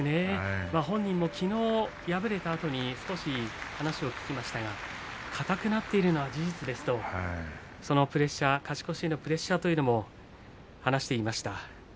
本人もきのう敗れたあとに少し話を聞きましたが高くなっているのは事実ですとその勝ち越しへのプレッシャーというのも話していました。